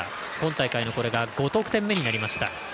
今大会の５得点目になりました。